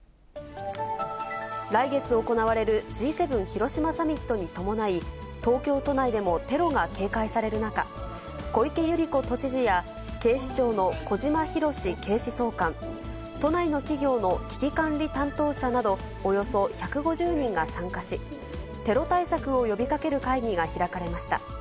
来月行われるＧ７広島サミットに伴い、東京都内でもテロが警戒される中、小池百合子都知事や、警視庁の小島裕史警視総監、都内の企業の危機管理担当者など、およそ１５０人が参加し、テロ対策を呼びかける会議が開かれました。